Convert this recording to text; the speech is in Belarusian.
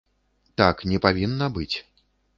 Так не павінна быць.